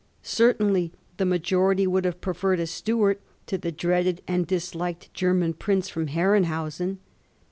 Certainly the majority would have preferred a Stuart to the dreaded and disliked Grerman prince from Herrenhausen.